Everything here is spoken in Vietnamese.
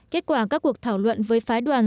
kết quả các cuộc thảo luận với phái đoàn